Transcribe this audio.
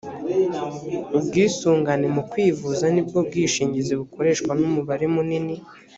ubwisungane mu kwivuza nibwo bwishingizi bukoreshwa n umubare munini